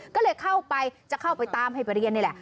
ก็เลยเข้าไปจะเข้าไปตามให้ไปเรียนนี่แหละ